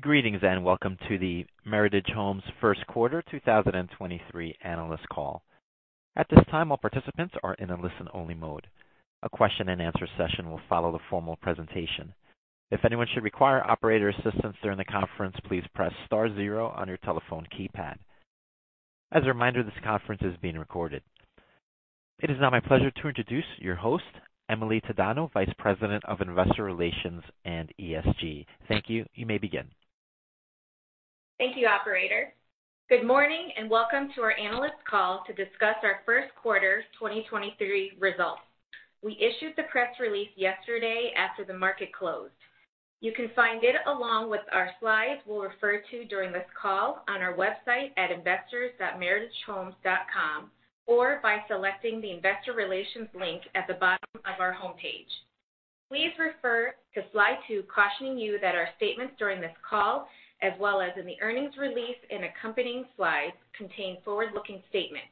Greetings, welcome to the Meritage Homes First Quarter 2023 Analyst Call. At this time, all participants are in a listen-only mode. A question-and-answer session will follow the formal presentation. If anyone should require operator assistance during the conference, please press star zero on your telephone keypad. As a reminder, this conference is being recorded. It is now my pleasure to introduce your host, Emily Tadano, Vice President of Investor Relations and ESG. Thank you. You may begin. Thank you, operator. Good morning, welcome to our analyst call to discuss our first quarter 2023 results. We issued the press release yesterday after the market closed. You can find it along with our slides we'll refer to during this call on our website at investors.meritagehomes.com or by selecting the Investor Relations link at the bottom of our homepage. Please refer to slide two cautioning you that our statements during this call, as well as in the earnings release and accompanying slides, contain forward-looking statements.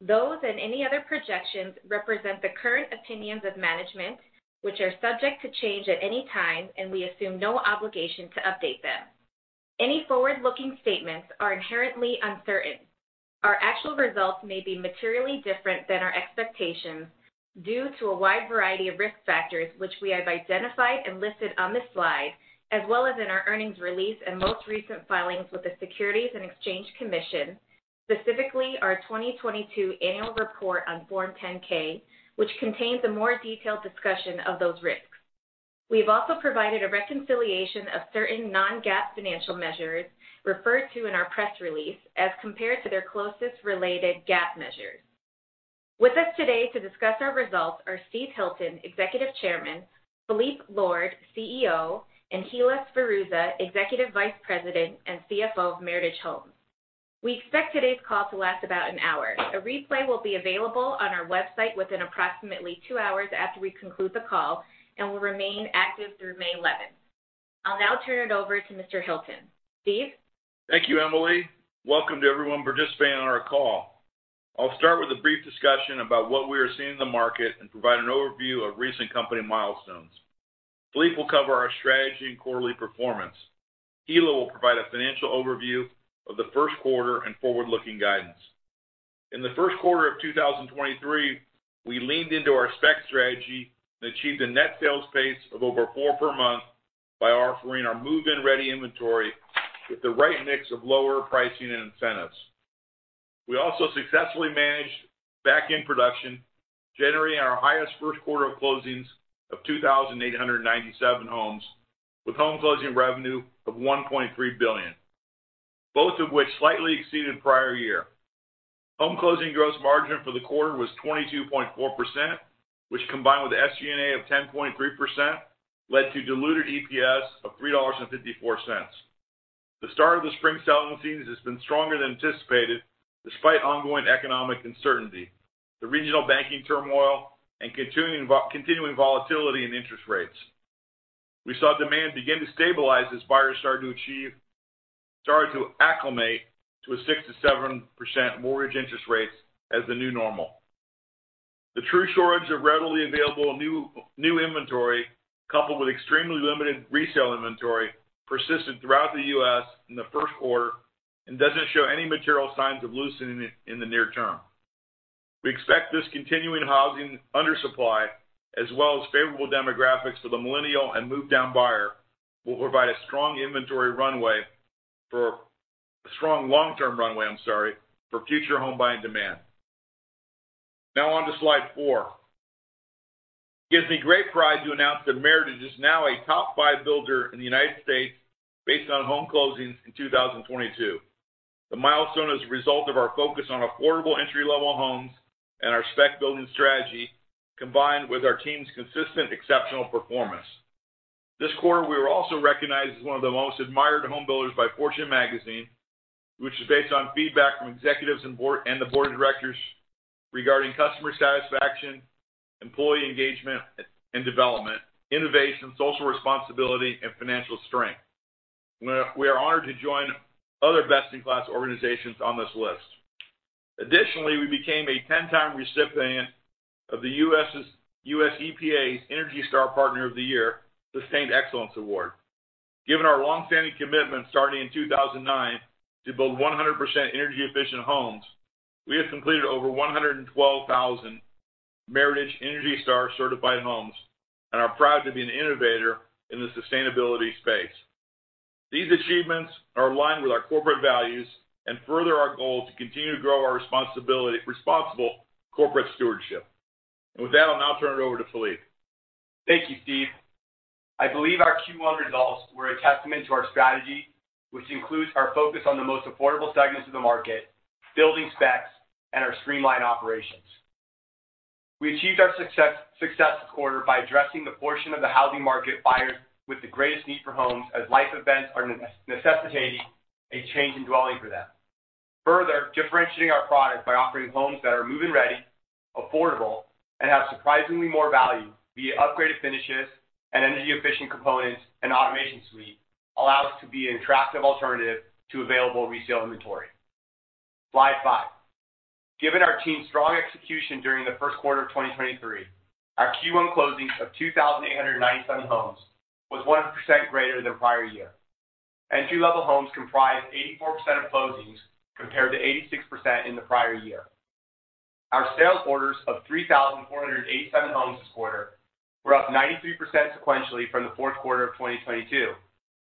Those and any other projections represent the current opinions of management, which are subject to change at any time, and we assume no obligation to update them. Any forward-looking statements are inherently uncertain. Our actual results may be materially different than our expectations due to a wide variety of risk factors, which we have identified and listed on this slide, as well as in our earnings release and most recent filings with the Securities and Exchange Commission, specifically our 2022 annual report on Form 10-K, which contains a more detailed discussion of those risks. We have also provided a reconciliation of certain non-GAAP financial measures referred to in our press release as compared to their closest related GAAP measures. With us today to discuss our results are Steve Hilton, Executive Chairman, Phillippe Lord, CEO, and Hilla Sferruzza, Executive Vice President and CFO of Meritage Homes. We expect today's call to last about an hour. A replay will be available on our website within approximately 2 hours after we conclude the call and will remain active through May 11th. I'll now turn it over to Mr. Hilton. Steve? Thank you, Emily. Welcome to everyone participating on our call. I'll start with a brief discussion about what we are seeing in the market and provide an overview of recent company milestones. Phillippe will cover our strategy and quarterly performance. Hilla will provide a financial overview of the first quarter and forward-looking guidance. In the first quarter of 2023, we leaned into our spec strategy and achieved a net sales pace of over four per month by offering our move-in-ready inventory with the right mix of lower pricing and incentives. We also successfully managed back-end production, generating our highest first quarter of closings of 2,897 homes, with home closing revenue of $1.3 billion, both of which slightly exceeded prior year. Home closing gross margin for the quarter was 22.4%, which combined with SG&A of 10.3% led to diluted EPS of $3.54. The start of the spring selling season has been stronger than anticipated despite ongoing economic uncertainty, the regional banking turmoil, and continuing volatility in interest rates. We saw demand begin to stabilize as buyers started to acclimate to a 6%-7% mortgage interest rates as the new normal. The true shortage of readily available new inventory, coupled with extremely limited resale inventory, persisted throughout the U.S. in the first quarter and doesn't show any material signs of loosening in the near term. We expect this continuing housing undersupply, as well as favorable demographics for the millennial and move-down buyer, will provide a strong inventory runway for... a strong long-term runway, I'm sorry, for future home buying demand. On to slide four. It gives me great pride to announce that Meritage is now a top-five builder in the United States based on home closings in 2022. The milestone is a result of our focus on affordable entry-level homes and our spec building strategy, combined with our team's consistent exceptional performance. This quarter, we were also recognized as one of the most admired home builders by Fortune Magazine, which is based on feedback from executives and the board of directors regarding customer satisfaction, employee engagement and development, innovation, social responsibility, and financial strength. We are honored to join other best-in-class organizations on this list. We became a ten-time recipient of the U.S. EPA's Energy Star Partner of the Year Sustained Excellence Award. Given our long-standing commitment starting in 2009 to build 100% energy-efficient homes, we have completed over 112,000 Meritage ENERGY STAR certified homes and are proud to be an innovator in the sustainability space. These achievements are aligned with our corporate values and further our goal to continue to grow our responsible corporate stewardship. With that, I'll now turn it over to Phillippe. Thank you, Steve. I believe our Q1 results were a testament to our strategy, which includes our focus on the most affordable segments of the market, building specs, and our streamlined operations. We achieved our success this quarter by addressing the portion of the housing market buyers with the greatest need for homes as life events are necessitating a change in dwelling for them. Further differentiating our product by offering homes that are move-in ready, affordable, and have surprisingly more value via upgraded finishes and energy-efficient components and automation suite allow us to be an attractive alternative to available resale inventory. Slide five. Given our team's strong execution during the 1st quarter of 2023, our Q1 closings of 2,897 homes was 1% greater than prior year. Two-level homes comprised 84% of closings compared to 86% in the prior year. Our sales orders of 3,487 homes this quarter were up 93% sequentially from the fourth quarter of 2022,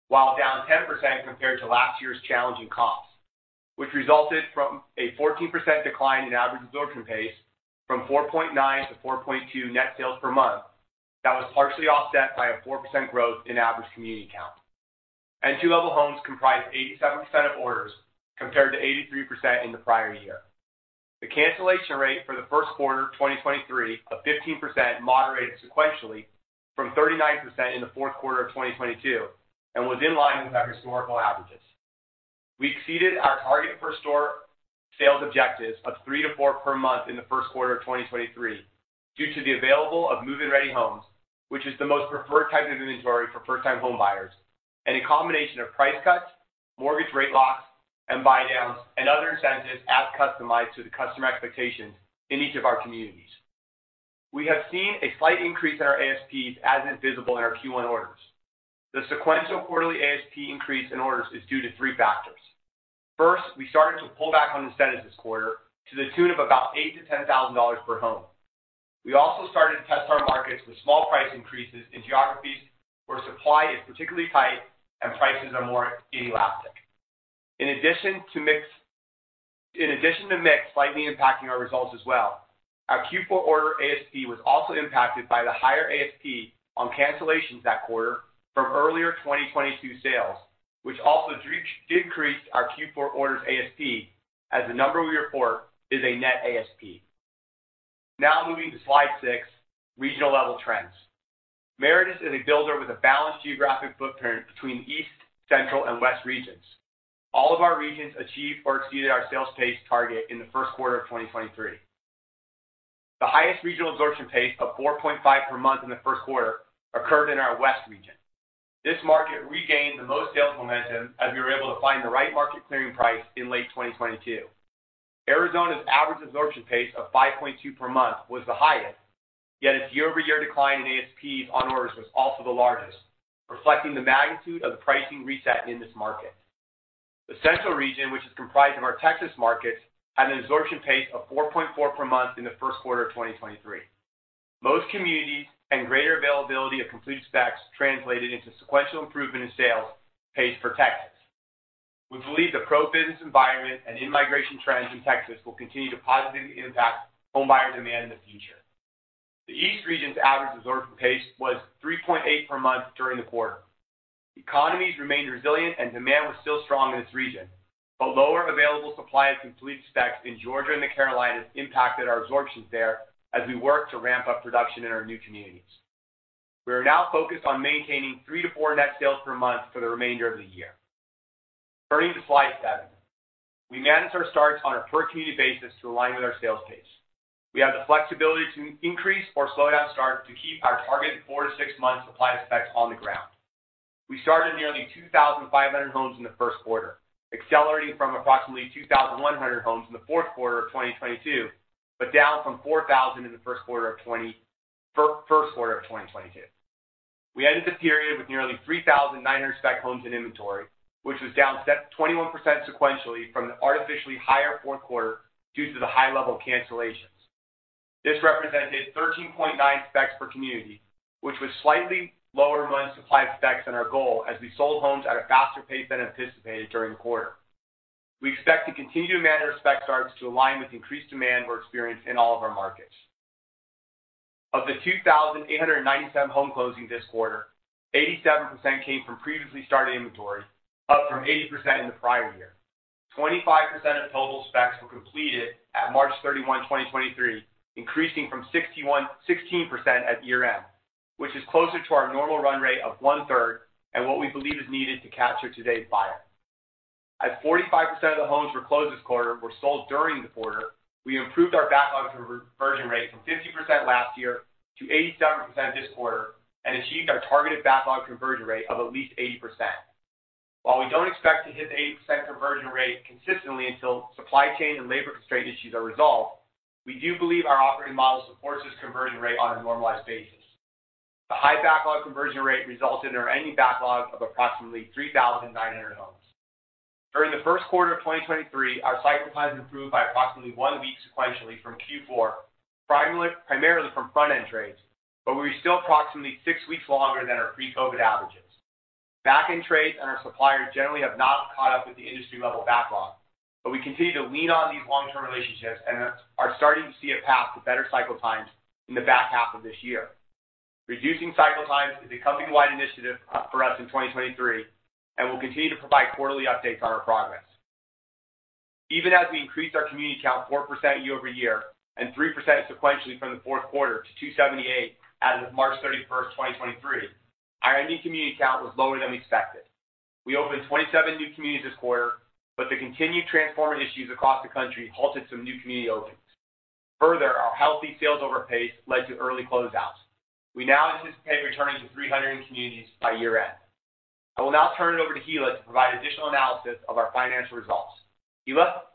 while down 10% compared to last year's challenging comps, which resulted from a 14% decline in average absorption pace from 4.9 to 4.2 net sales per month that was partially offset by a 4% growth in average community count. Two-level homes comprised 87% of orders compared to 83% in the prior year. The cancellation rate for the first quarter of 2023 of 15% moderated sequentially from 39% in the fourth quarter of 2022 and was in line with our historical averages. We exceeded our target per-store sales objectives of 3-4 per month in the first quarter of 2023 due to the available of move-in-ready homes, which is the most preferred type of inventory for first-time home buyers, and a combination of price cuts, mortgage rate locks and buy downs and other incentives as customized to the customer expectations in each of our communities. We have seen a slight increase in our ASPs as is visible in our Q1 orders. The sequential quarterly ASP increase in orders is due to three factors. First, we started to pull back on incentives this quarter to the tune of about $8,000-$10,000 per home. We also started to test our markets with small price increases in geographies where supply is particularly tight and prices are more inelastic. In addition to mix slightly impacting our results as well, our Q4 order ASP was also impacted by the higher ASP on cancellations that quarter from earlier 2022 sales, which also decreased our Q4 orders ASP as the number we report is a net ASP. Moving to slide six, regional-level trends. Meritage is a builder with a balanced geographic footprint between East, Central, and West regions. All of our regions achieved or exceeded our sales pace target in the first quarter of 2023. The highest regional absorption pace of 4.5 per month in the first quarter occurred in our West region. This market regained the most sales momentum as we were able to find the right market clearing price in late 2022. Arizona's average absorption pace of 5.2 per month was the highest, yet its year-over-year decline in ASPs on orders was also the largest, reflecting the magnitude of the pricing reset in this market. The Central region, which is comprised of our Texas markets, had an absorption pace of 4.4 per month in the first quarter of 2023. Most communities and greater availability of completed specs translated into sequential improvement in sales, pace for Texas. We believe the pro-business environment and in-migration trends in Texas will continue to positively impact home buyer demand in the future. The East region's average absorption pace was 3.8 per month during the quarter. Economies remained resilient and demand was still strong in this region, but lower available supply of completed specs in Georgia and the Carolinas impacted our absorptions there as we work to ramp up production in our new communities. We are now focused on maintaining 3-4 net sales per month for the remainder of the year. Turning to slide seven. We manage our starts on a per community basis to align with our sales pace. We have the flexibility to increase or slow down starts to keep our targeted 4-6 months supply of specs on the ground. We started nearly 2,500 homes in the first quarter, accelerating from approximately 2,100 homes in the fourth quarter of 2022, but down from 4,000 in the first quarter of 2022. We ended the period with nearly 3,900 spec homes in inventory, which was down 21% sequentially from the artificially higher fourth quarter due to the high level of cancellations. This represented 13.9 specs per community, which was slightly lower month supply specs than our goal as we sold homes at a faster pace than anticipated during the quarter. We expect to continue to manage our spec starts to align with increased demand we're experienced in all of our markets. Of the 2,897 home closings this quarter, 87% came from previously started inventory, up from 80% in the prior year. 25% of total specs were completed at March 31, 2023, increasing from 16% at year-end, which is closer to our normal run rate of one-third and what we believe is needed to capture today's buyer. As 45% of the homes were closed this quarter were sold during the quarter, we improved our backlog conversion rate from 50% last year to 87% this quarter and achieved our targeted backlog conversion rate of at least 80%. While we don't expect to hit the 80% conversion rate consistently until supply chain and labor constraint issues are resolved, we do believe our operating model supports this conversion rate on a normalized basis. The high backlog conversion rate resulted in our ending backlog of approximately 3,900 homes. During the first quarter of 2023, our cycle time improved by approximately one week sequentially from Q4, primarily from front-end trades, but we're still approximately six weeks longer than our pre-COVID averages. Back-end trades and our suppliers generally have not caught up with the industry level backlog, but we continue to lean on these long-term relationships and are starting to see a path to better cycle times in the back half of this year. Reducing cycle times is a company-wide initiative for us in 2023, and we'll continue to provide quarterly updates on our progress. Even as we increased our community count 4% year-over-year and 3% sequentially from the fourth quarter to 278 as of March 31st, 2023, our ending community count was lower than we expected. We opened 27 new communities this quarter, but the continued transformer issues across the country halted some new community openings. Further, our healthy sales over pace led to early closeouts. We now anticipate returning to 300 communities by year-end. I will now turn it over to Hilla to provide additional analysis of our financial results. Hilla?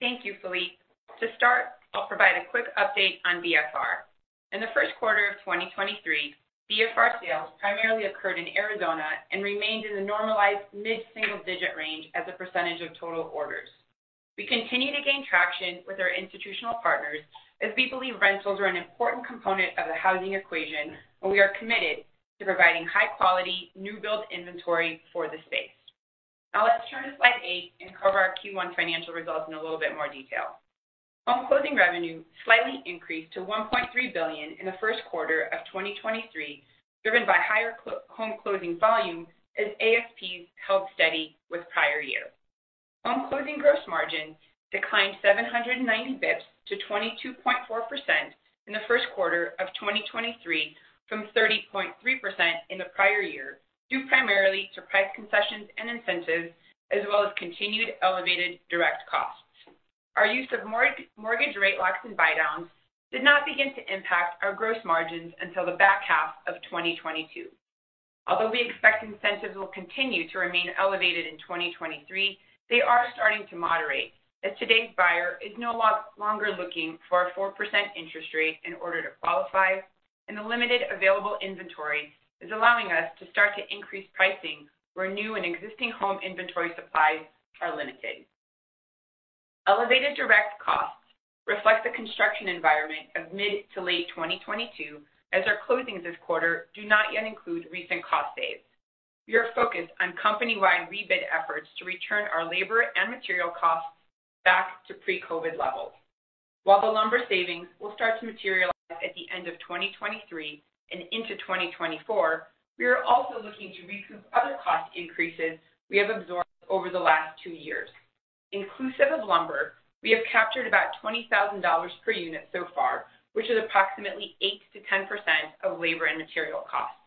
Thank you, Phillippe. To start, I'll provide a quick update on FR. In the 1st quarter of 2023, FMU sales primarily occurred in Arizona and remained in the normalized mid-single digit range as a percentage of total orders. We continue to gain traction with our institutional partners as we believe rentals are an important component of the housing equation, and we are committed to providing high quality, new build inventory for the space. Now let's turn to slide eight and cover our Q1 financial results in a little bit more detail. Home closing revenue slightly increased to $1.3 billion in the 1st quarter of 2023, driven by higher home closing volume as ASPs held steady with prior year. Home closing gross margin declined 790 basis points to 22.4% in the first quarter of 2023, from 30.3% in the prior year, due primarily to price concessions and incentives, as well as continued elevated direct costs. Our use of mortgage rate locks and buy downs did not begin to impact our gross margins until the back half of 2022. Although we expect incentives will continue to remain elevated in 2023, they are starting to moderate as today's buyer is no longer looking for a 4% interest rate in order to qualify, and the limited available inventory is allowing us to start to increase pricing where new and existing home inventory supplies are limited. Elevated direct costs reflect the construction environment of mid to late 2022, as our closings this quarter do not yet include recent cost saves. We are focused on company-wide rebid efforts to return our labor and material costs back to pre-COVID levels. While the lumber savings will start to materialize at the end of 2023 and into 2024, we are also looking to recoup other cost increases we have absorbed over the last two years. Inclusive of lumber, we have captured about $20,000 per unit so far, which is approximately 8%-10% of labor and material costs.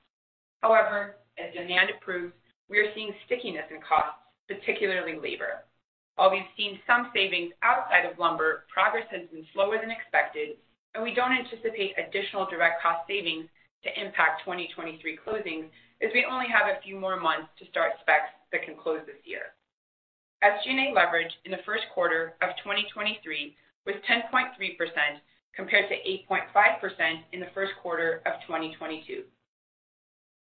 However, as demand improves, we are seeing stickiness in costs, particularly labor. While we've seen some savings outside of lumber, progress has been slower than expected, and we don't anticipate additional direct cost savings to impact 2023 closings as we only have a few more months to start specs that can close this year. SG&A leverage in the first quarter of 2023 was 10.3% compared to 8.5% in the first quarter of 2022.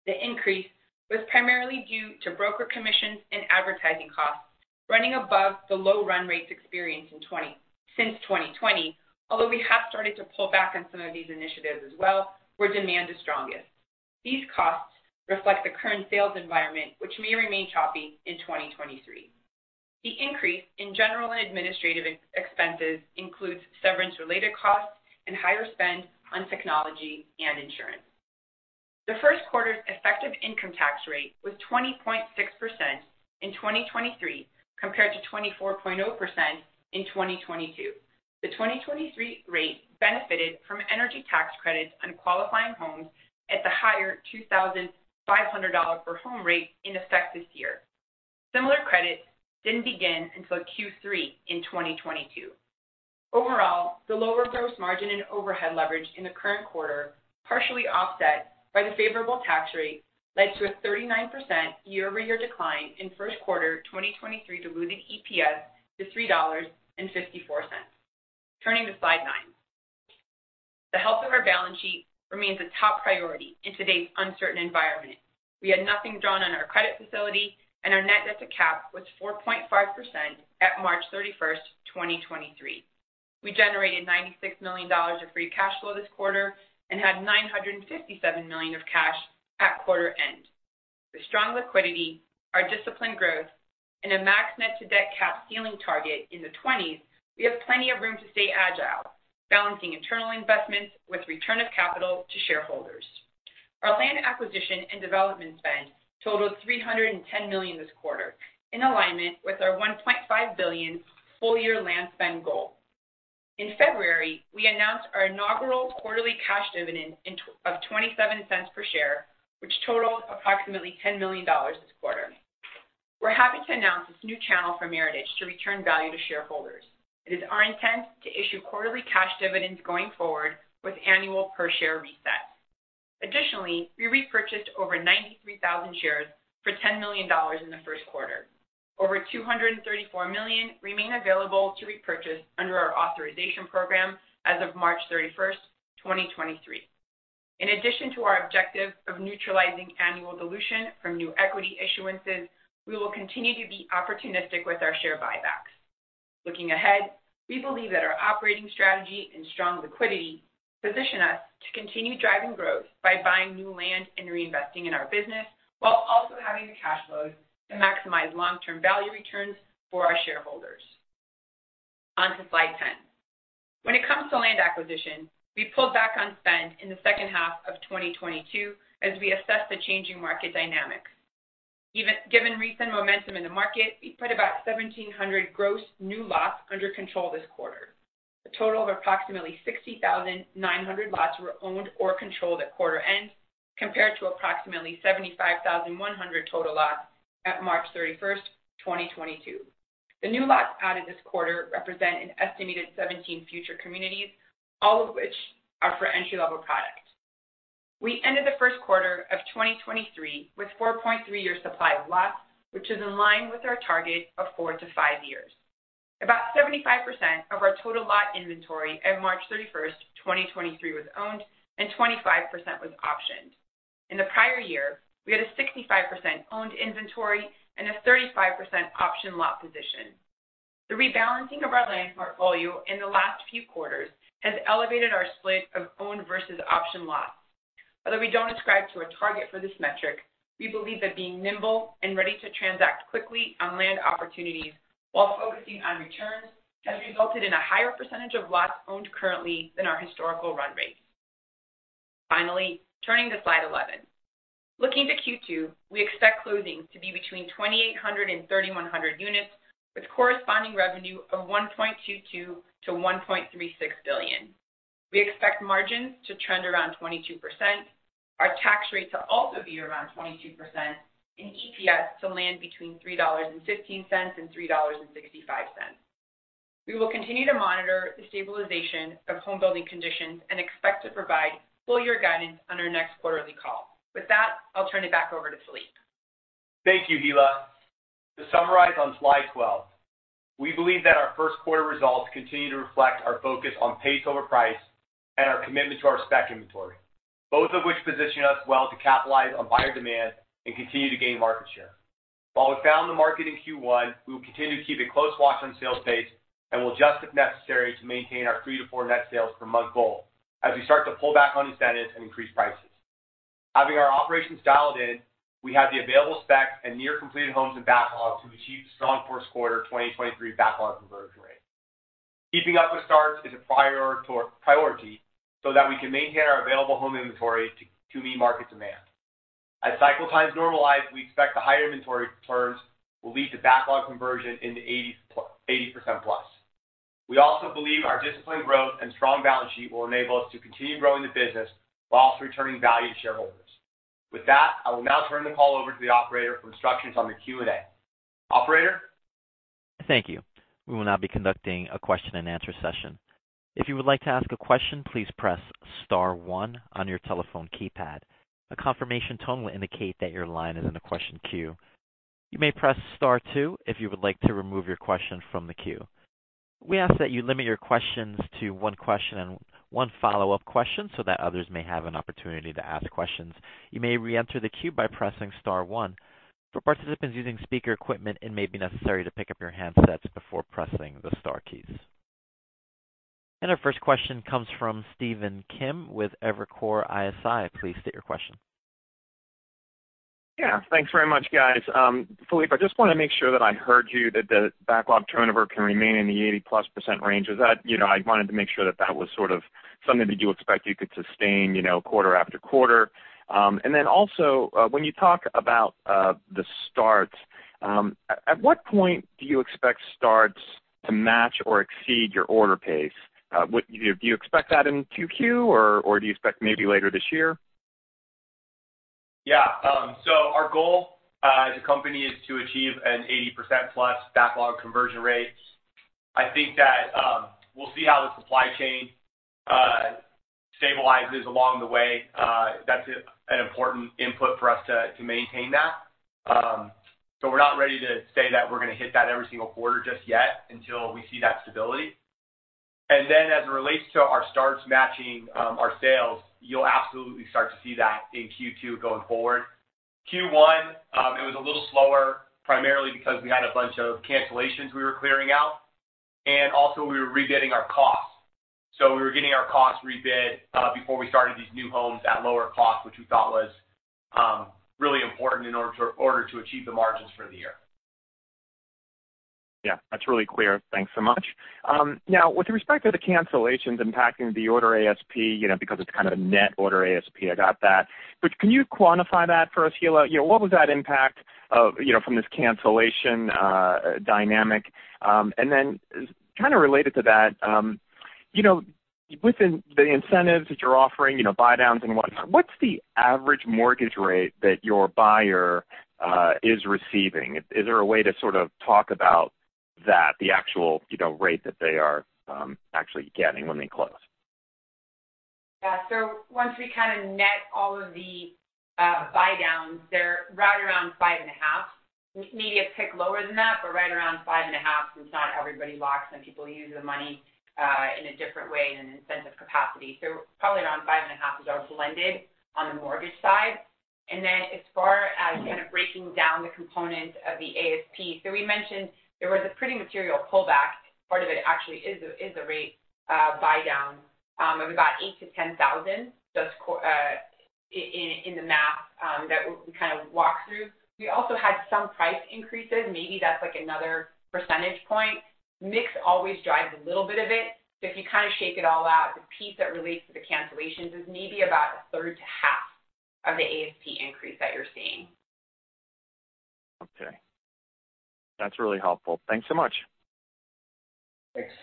The increase was primarily due to broker commissions and advertising costs running above the low run rates experienced since 2020, although we have started to pull back on some of these initiatives as well, where demand is strongest. These costs reflect the current sales environment, which may remain choppy in 2023. The increase in general and administrative expenses includes severance related costs and higher spend on technology and insurance. The first quarter's effective income tax rate was 20.6% in 2023, compared to 24.0% in 2022. The 2023 rate benefited from energy tax credits on qualifying homes at the higher $2,500 per home rate in effect this year. Similar credits didn't begin until Q3 in 2022. Overall the lower gross margin and overhead leverage in the current quarter, partially offset by the favorable tax rate, led to a 39% year-over-year decline in first quarter 2023 diluted EPS to $3.54. Turning to slide nine. The health of our balance sheet remains a top priority in today's uncertain environment. We had nothing drawn on our credit facility and our net debt to cap was 4.5% at March 31st, 2023. We generated $96 million of free cash flow this quarter and had $957 million of cash at quarter end. The strong liquidity, our disciplined growth, and a max net debt-to-cap ceiling target in the 20s, we have plenty of room to stay agile, balancing internal investments with return of capital to shareholders. Our land acquisition and development spend totaled $310 million this quarter, in alignment with our $1.5 billion full year land spend goal. In February, we announced our inaugural quarterly cash dividend of $0.27 per share, which totals approximately $10 million this quarter. We're happy to announce this new channel for Meritage to return value to shareholders. It is our intent to issue quarterly cash dividends going forward with annual per share resets. Additionally, we repurchased over 93,000 shares for $10 million in the first quarter. Over $234 million remain available to repurchase under our authorization program as of March 31, 2023. In addition to our objective of neutralizing annual dilution from new equity issuances, we will continue to be opportunistic with our share buybacks. Looking ahead, we believe that our operating strategy and strong liquidity position us to continue driving growth by buying new land and reinvesting in our business while also having the cash flows to maximize long-term value returns for our shareholders. On to slide 10. When it comes to land acquisition, we pulled back on spend in the second half of 2022 as we assess the changing market dynamics. Given recent momentum in the market, we put about 1,700 gross new lots under control this quarter. A total of approximately 60,900 lots were owned or controlled at quarter end compared to approximately 75,100 total lots at March 31st, 2022. The new lots added this quarter represent an estimated 17 future communities, all of which are for entry-level product. We ended the first quarter of 2023 with 4.3 year supply of lots, which is in line with our target of 4-5 years. About 75% of our total lot inventory at March 31st, 2023 was owned and 25% was optioned. In the prior year, we had a 65% owned inventory and a 35% option lot position. The rebalancing of our land portfolio in the last few quarters has elevated our split of owned versus option lots. Although we don't ascribe to a target for this metric, we believe that being nimble and ready to transact quickly on land opportunities while focusing on returns has resulted in a higher percentage of lots owned currently than our historical run rates. Turning to slide 11. Looking to Q2, we expect closings to be between 2,800 and 3,100 units, with corresponding revenue of $1.22 billion-$1.36 billion. We expect margins to trend around 22%, our tax rate to also be around 22% and EPS to land between $3.15 and $3.65. We will continue to monitor the stabilization of home building conditions and expect to provide full year guidance on our next quarterly call. With that, I'll turn it back over to Phillippe. Thank you, Hilla. To summarize on slide 12, we believe that our first quarter results continue to reflect our focus on pace over price and our commitment to our spec inventory, both of which position us well to capitalize on buyer demand and continue to gain market share. While we found the market in Q1, we will continue to keep a close watch on sales pace and will adjust if necessary to maintain our 3-4 net sales per month goal as we start to pull back on incentives and increase prices. Having our operations dialed in, we have the available specs and near completed homes and backlogs to achieve strong first quarter 2023 backlog conversion rate. Keeping up with starts is a priority so that we can maintain our available home inventory to meet market demand. As cycle times normalize, we expect the higher inventory turns will lead to backlog conversion in the 80%+. We also believe our disciplined growth and strong balance sheet will enable us to continue growing the business while also returning value to shareholders. With that, I will now turn the call over to the operator for instructions on the Q&A. Operator? Thank you. We will now be conducting a question-and-answer session. If you would like to ask a question, please press star one on your telephone keypad. A confirmation tone will indicate that your line is in the question queue. You may press star two if you would like to remove your question from the queue. We ask that you limit your questions to one question and one follow-up question so that others may have an opportunity to ask questions. You may re-enter the queue by pressing star one. For participants using speaker equipment, it may be necessary to pick up your handsets before pressing the star keys. Our first question comes from Stephen Kim with Evercore ISI. Please state your question. Yeah, thanks very much, guys. Phillippe, I just wanna make sure that I heard you that the backlog turnover can remain in the 80%+ range. Is that, you know, I wanted to make sure that that was sort of something that you expect you could sustain, you know, quarter after quarter? Also, when you talk about the starts, at what point do you expect starts to match or exceed your order pace? Do you expect that in 2Q, or do you expect maybe later this year? Our goal, as a company is to achieve an 80%+ backlog conversion rate. I think that, we'll see how the supply chain stabilizes along the way. That's an important input for us to maintain that. We're not ready to say that we're gonna hit that every single quarter just yet until we see that stability. As it relates to our starts matching, our sales, you'll absolutely start to see that in Q2 going forward. Q1, it was a little slower, primarily because we had a bunch of cancellations we were clearing out, and also we were rebidding our costs. We were getting our costs rebid, before we started these new homes at lower cost, which we thought was really important in order to achieve the margins for the year. Yeah, that's really clear. Thanks so much. Now with respect to the cancellations impacting the order ASP, you know, because it's kind of net order ASP, I got that. Can you quantify that for us, Hilla? You know, what was that impact of, you know, from this cancellation dynamic? Kind of related to that, you know, within the incentives that you're offering, you know, buydowns and what's the average mortgage rate that your buyer is receiving? Is there a way to sort of talk about that, the actual, you know, rate that they are actually getting when they close? Once we kind of net all of the buydowns, they're right around 5.5%. Maybe a tick lower than that, but right around 5.5% since not everybody locks, and people use the money in a different way in an incentive capacity. Probably around 5.5% is our blended on the mortgage side. As far as kind of breaking down the components of the ASP, we mentioned there was a pretty material pullback. Part of it actually is a rate buydown of about $8,000-$10,000. That's in the math that we kind of walked through. We also had some price increases. Maybe that's like another percentage point. Mix always drives a little bit of it. If you kind of shake it all out, the piece that relates to the cancellations is maybe about a third to half of the ASP increase that you're seeing. Okay. That's really helpful. Thanks so much. Thanks.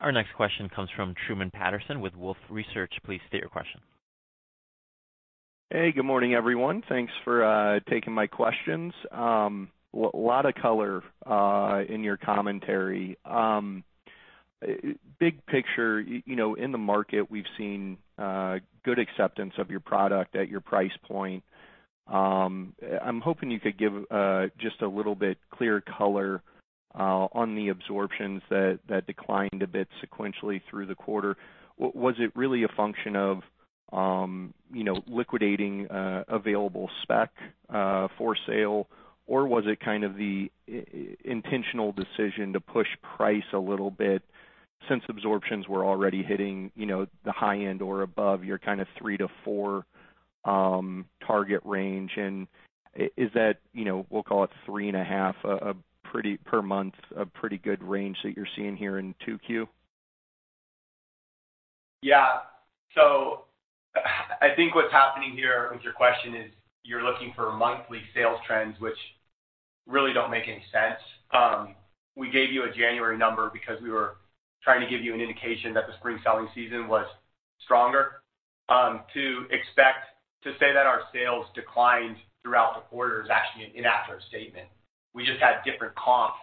Our next question comes from Truman Patterson with Wolfe Research. Please state your question. Hey, good morning, everyone. Thanks for taking my questions. Lot of color in your commentary. Big picture, you know, in the market, we've seen good acceptance of your product at your price point. I'm hoping you could give just a little bit clear color on the absorptions that declined a bit sequentially through the quarter. Was it really a function of, you know, liquidating available spec for sale, or was it kind of the intentional decision to push price a little bit since absorptions were already hitting, you know, the high-end or above your kind of 3-4 target range? Is that, you know, we'll call it 3.5 per month, a pretty good range that you're seeing here in 2Q? I think what's happening here with your question is you're looking for monthly sales trends which really don't make any sense. We gave you a January number because we were trying to give you an indication that the spring selling season was stronger. To expect to say that our sales declined throughout the quarter is actually an inaccurate statement. We just had different comps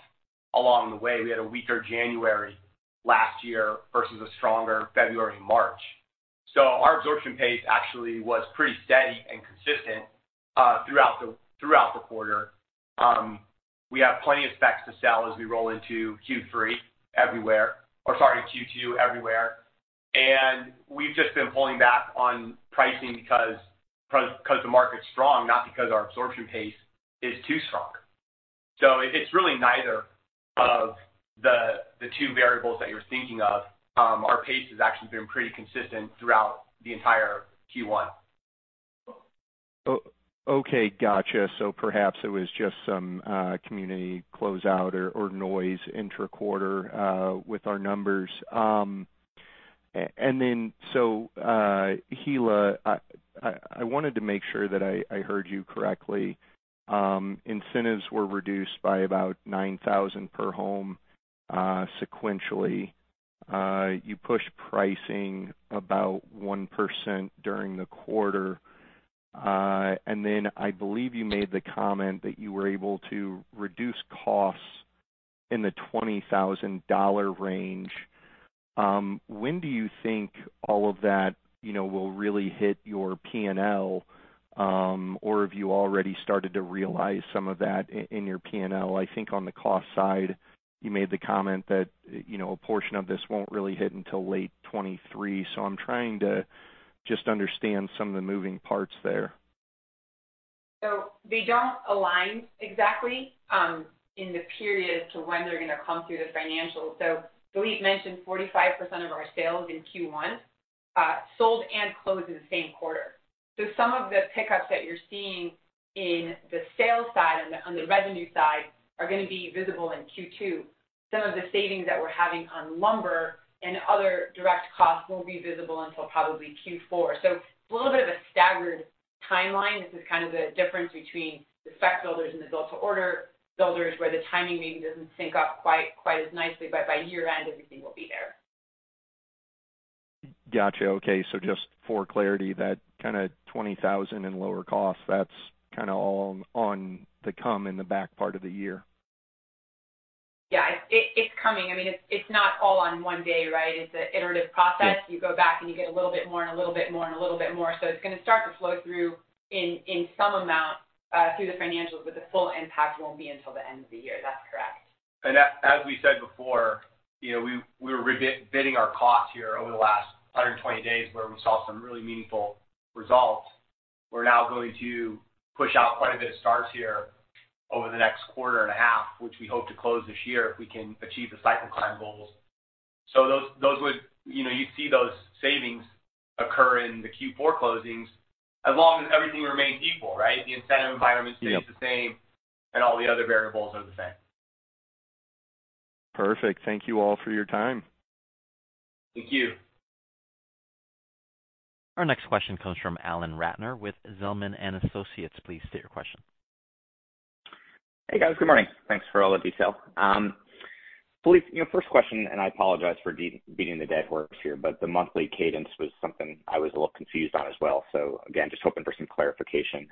along the way. We had a weaker January last year versus a stronger February, March. Our absorption pace actually was pretty steady and consistent throughout the, throughout the quarter. We have plenty of specs to sell as we roll into Q3 everywhere. Sorry, Q2 everywhere. We've just been pulling back on pricing because the market's strong, not because our absorption pace is too strong. It's really neither of the two variables that you're thinking of. Our pace has actually been pretty consistent throughout the entire Q1. Okay, gotcha. Perhaps it was just some community closeout or noise interquarter with our numbers. Hilla, I wanted to make sure that I heard you correctly. Incentives were reduced by about $9,000 per home sequentially. You pushed pricing about 1% during the quarter. I believe you made the comment that you were able to reduce costs in the $20,000 range. When do you think all of that, you know, will really hit your P&L, or have you already started to realize some of that in your P&L? I think on the cost side, you made the comment that, you know, a portion of this won't really hit until late 2023. I'm trying to just understand some of the moving parts there. They don't align exactly, in the period to when they're gonna come through the financials. Phillippe mentioned 45% of our sales in Q1, sold and closed in the same quarter. Some of the pickups that you're seeing in the sales side, on the revenue side, are gonna be visible in Q2. Some of the savings that we're having on lumber and other direct costs won't be visible until probably Q4. A little bit of a staggered timeline. This is kind of the difference between the spec builders and the build to order builders, where the timing maybe doesn't sync up quite as nicely. By year-end, everything will be there. Gotcha. Okay. Just for clarity, that kinda $20,000 in lower costs, that's kinda all on to come in the back part of the year. Yeah. It's coming. I mean, it's not all on one day, right? It's a iterative process. You go back, and you get a little bit more and a little bit more and a little bit more. It's gonna start to flow through in some amount through the financials, but the full impact won't be until the end of the year. That's correct. As we said before, you know, we were bidding our costs here over the last 120 days where we saw some really meaningful results. We're now going to push out quite a bit of starts here over the next quarter and a half, which we hope to close this year if we can achieve the cycle time goals. You know, you see those savings occur in the Q4 closings as long as everything remains equal, right? The incentive environment. Yep. stays the same and all the other variables are the same. Perfect. Thank you all for your time. Thank you. Our next question comes from Alan Ratner with Zelman & Associates. Please state your question. Hey, guys. Good morning. Thanks for all the detail. Phillippe, you know, first question, and I apologize for beating the dead horse here, but the monthly cadence was something I was a little confused on as well. Again, just hoping for some clarification.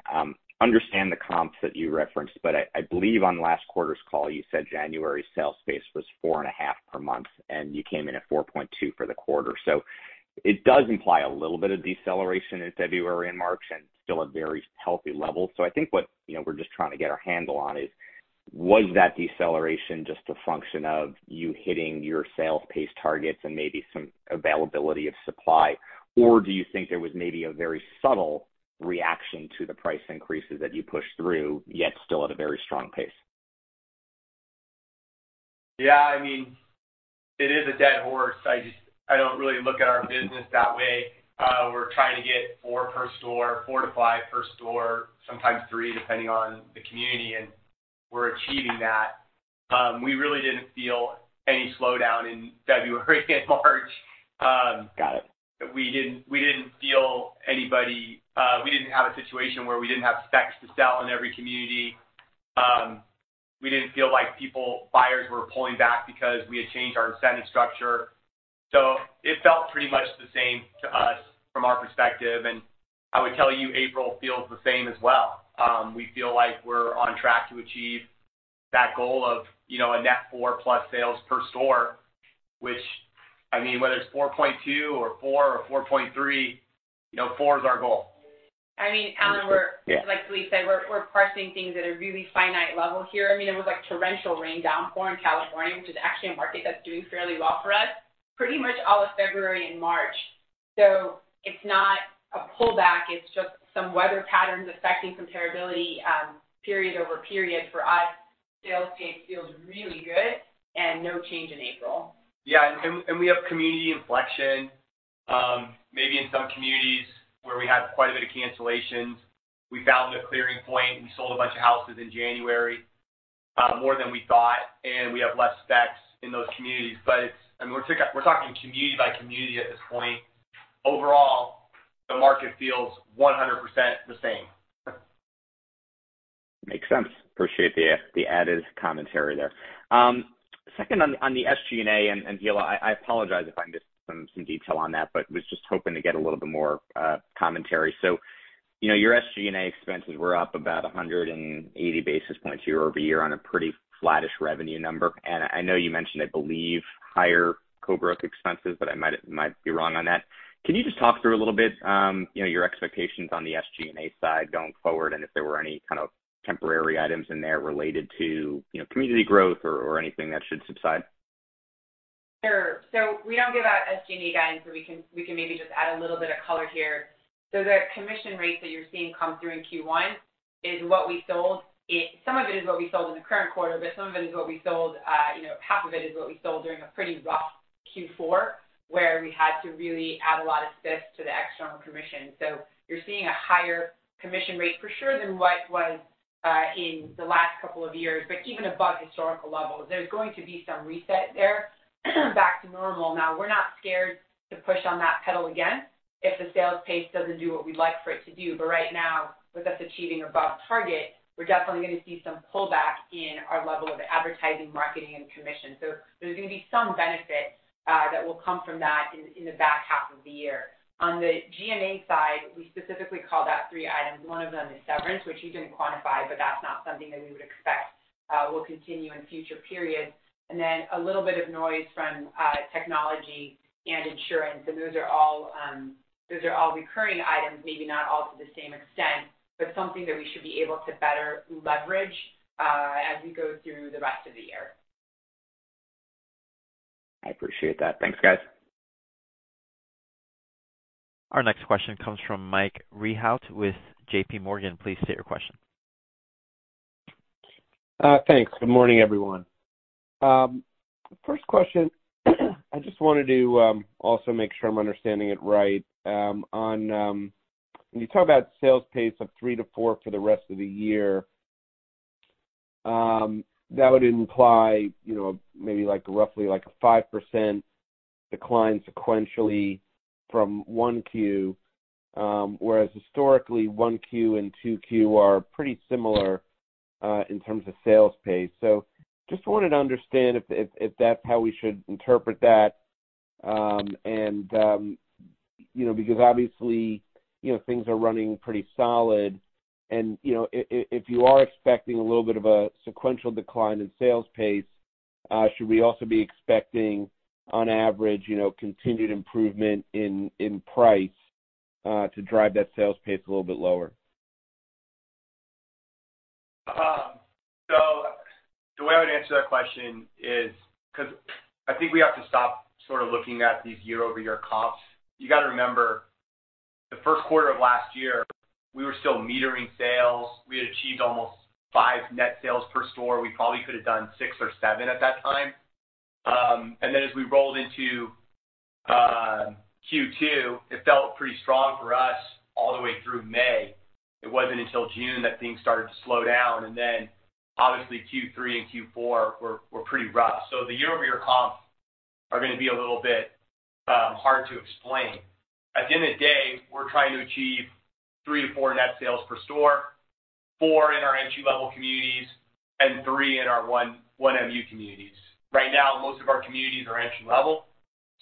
Understand the comps that you referenced, but I believe on last quarter's call you said January sales pace was 4.5 per month, and you came in at 4.2 for the quarter. It does imply a little bit of deceleration in February and March and still a very healthy level. I think what, you know, we're just trying to get our handle on is, was that deceleration just a function of you hitting your sales pace targets and maybe some availability of supply, or do you think there was maybe a very subtle reaction to the price increases that you pushed through, yet still at a very strong pace? Yeah, I mean, it is a dead horse. I don't really look at our business that way. We're trying to get four per store, 4-5 per store, sometimes three, depending on the community, and we're achieving that. We really didn't feel any slowdown in February and March. We didn't feel anybody, we didn't have a situation where we didn't have specs to sell in every community. We didn't feel like buyers were pulling back because we had changed our incentive structure. It felt pretty much the same to us from our perspective. I would tell you, April feels the same as well. We feel like we're on track to achieve that goal of, you know, a net 4+ sales per store, which, I mean, whether it's 4.2 or 4 or 4.3, you know, four is our goal. I mean, Alan. Yeah. Like we said, we're pricing things at a really finite level here. I mean, it was like torrential rain downpour in California, which is actually a market that's doing fairly well for us, pretty much all of February and March. It's not a pullback, it's just some weather patterns affecting comparability, period-over-period. For us, sales pace feels really good and no change in April. Yeah. We have community inflection, maybe in some communities where we had quite a bit of cancellations. We found a clearing point. We sold a bunch of houses in January, more than we thought, and we have less specs in those communities. I mean, we're talking community by community at this point. Overall, the market feels 100% the same. Makes sense. Appreciate the added commentary there. Second on the SG&A, and Hilla, I apologize if I missed some detail on that, but was just hoping to get a little bit more commentary. You know, your SG&A expenses were up about 180 basis points year-over-year on a pretty flattish revenue number. I know you mentioned, I believe, higher co-growth expenses, but I might be wrong on that. Can you just talk through a little bit, you know, your expectations on the SG&A side going forward, and if there were any kind of temporary items in there related to, you know, community growth or anything that should subside? Sure. We don't give out SG&A guidance, we can maybe just add a little bit of color here. The commission rates that you're seeing come through in Q1 is what we sold. Some of it is what we sold in the current quarter, but some of it is what we sold, you know, half of it is what we sold during a pretty rough Q4, where we had to really add a lot of spiffs to the external commission. You're seeing a higher commission rate for sure than what was in the last couple of years, but even above historical levels. There's going to be some reset there back to normal. We're not scared to push on that pedal again if the sales pace doesn't do what we'd like for it to do. Right now, with us achieving above target, we're definitely gonna see some pullback in our level of advertising, marketing, and commission. There's gonna be some benefit that will come from that in the back half of the year. On the G&A side, we specifically called out three items. One of them is severance, which you didn't quantify, but that's not something that we would expect will continue in future periods. Then a little bit of noise from technology and insurance. Those are all recurring items, maybe not all to the same extent, but something that we should be able to better leverage as we go through the rest of the year. I appreciate that. Thanks, guys. Our next question comes from Mike Rehaut with JPMorgan. Please state your question. Thanks. Good morning, everyone. First question, I just wanted to also make sure I'm understanding it right. When you talk about sales pace of 3-4 for the rest of the year, that would imply, you know, maybe like roughly like a 5% decline sequentially from 1Q, whereas historically 1Q and 2Q are pretty similar in terms of sales pace. Just wanted to understand if that's how we should interpret that. Because obviously, you know, things are running pretty solid and, you know, if you are expecting a little bit of a sequential decline in sales pace, should we also be expecting on average, you know, continued improvement in price to drive that sales pace a little bit lower? The way I would answer that question is. I think we have to stop sort of looking at these year-over-year comps. You gotta remember the first quarter of last year, we were still metering sales. We had achieved almost five net sales per store. We probably could have done six or seven at that time. As we rolled into Q2, it felt pretty strong for us all the way through May. It wasn't until June that things started to slow down and then obviously Q3 and Q4 were pretty rough. The year-over-year comps are gonna be a little bit hard to explain. At the end of the day, we're trying to achieve 3-4 net sales per store, four in our entry-level communities and three in our 1MU communities. Right now, most of our communities are entry-level,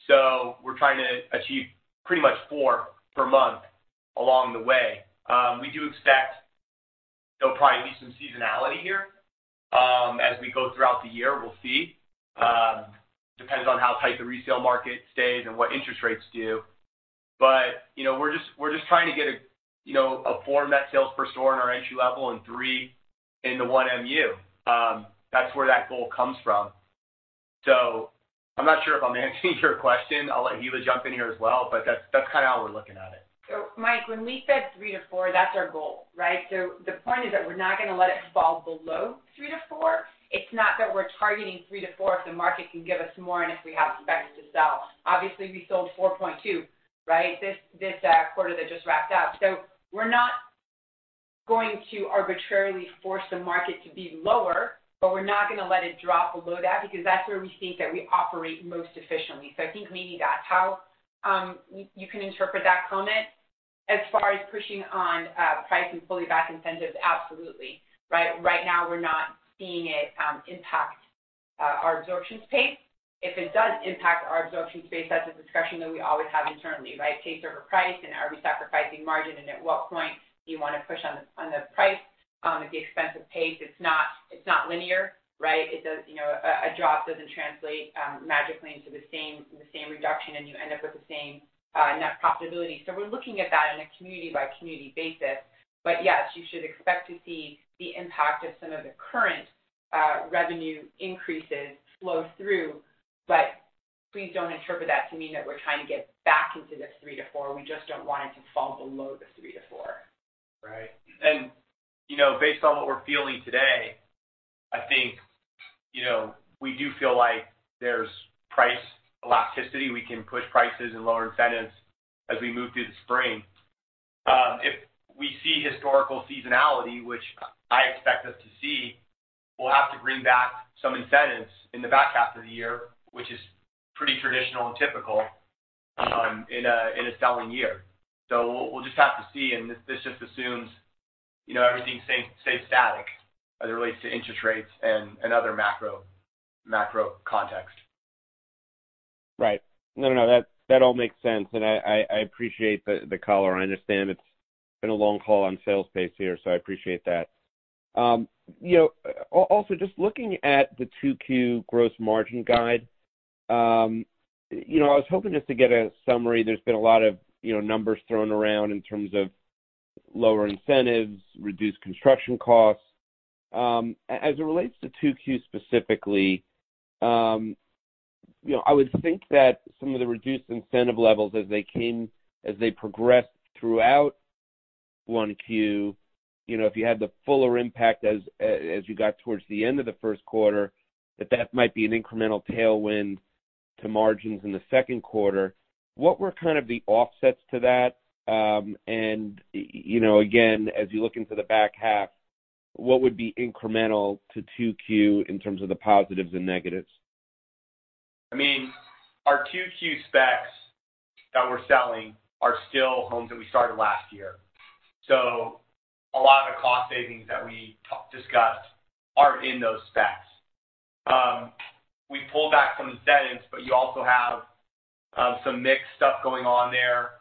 so we're trying to achieve pretty much four per month along the way. We do expect there'll probably be some seasonality here, as we go throughout the year. We'll see. Depends on how tight the resale market stays and what interest rates do. You know, we're just trying to get a, you know, a four net sales per store in our entry level and three in the 1MU. That's where that goal comes from. I'm not sure if I'm answering your question. I'll let Hilla jump in here as well, but that's kinda how we're looking at it. Mike, when we said 3-4r, that's our goal, right? The point is that we're not gonna let it fall below 3-4. It's not that we're targeting 3-4 if the market can give us more and if we have specs to sell. Obviously, we sold 4.2, right? This quarter that just wrapped up. We're not going to arbitrarily force the market to be lower, but we're not gonna let it drop below that because that's where we think that we operate most efficiently. I think maybe that's how you can interpret that comment. As far as pushing on price and fully backed incentives, absolutely, right? Right now, we're not seeing it impact our absorption space. If it does impact our absorption space, that's a discussion that we always have internally, right? Pace over price, and are we sacrificing margin, and at what point do you wanna push on the price at the expense of pace? It's not, it's not linear, right? You know, a drop doesn't translate magically into the same reduction, and you end up with the same net profitability. We're looking at that in a community by community basis. Yes, you should expect to see the impact of some of the current revenue increases flow through. Please don't interpret that to mean that we're trying to get back into the 3-4. We just don't want it to fall below the 3-4. Right. You know, based on what we're feeling today, I think, you know, we do feel like there's price elasticity. We can push prices and lower incentives as we move through the spring. If we see historical seasonality, which I expect us to see, we'll have to bring back some incentives in the back half of the year, which is pretty traditional and typical in a, in a selling year. We'll, we'll just have to see, and this just assumes, you know, everything stays static as it relates to interest rates and other macro context. Right. No, that all makes sense. I appreciate the call. I understand it's been a long call on sales pace here, so I appreciate that. You know, also just looking at the 2Q gross margin guide, you know, I was hoping just to get a summary. There's been a lot of, you know, numbers thrown around in terms of lower incentives, reduced construction costs. As it relates to 2Q specifically, you know, I would think that some of the reduced incentive levels as they progressed throughout 1Q, you know, if you had the fuller impact as you got towards the end of the first quarter, that that might be an incremental tailwind to margins in the second quarter. What were kind of the offsets to that? You know, again, as you look into the back half, what would be incremental to 2Q in terms of the positives and negatives? Our 2Q specs that we're selling are still homes that we started last year. A lot of the cost savings that we discussed are in those specs. We pulled back some incentives, but you also have some mixed stuff going on there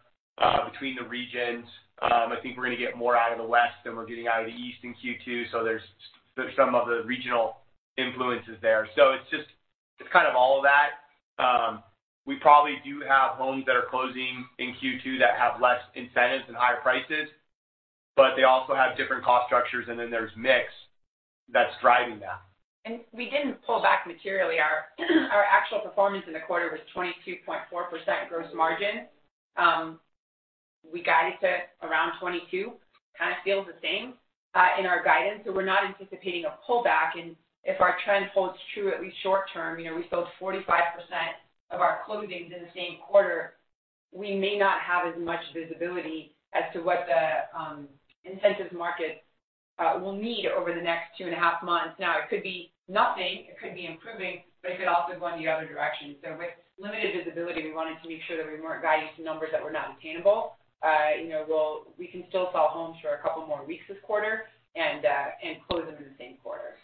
between the regions. I think we're gonna get more out of the West than we're getting out of the East in Q2, so there's some of the regional influences there. It's just, it's kind of all of that. We probably do have homes that are closing in Q2 that have less incentives and higher prices, but they also have different cost structures, and then there's mix that's driving that. We didn't pull back materially. Our actual performance in the quarter was 22.4% gross margin. We guided to around 22%, kind of feels the same, in our guidance, so we're not anticipating a pullback. If our trend holds true, at least short-term, you know, we sold 45% of our closings in the same quarter, we may not have as much visibility as to what the incentives market will need over the next 2.5 months. It could be nothing, it could be improving, but it could also go in the other direction. With limited visibility, we wanted to make sure that we weren't guiding to numbers that were not attainable. You know, we can still sell homes for a couple more weeks this quarter and close them in the same quarter.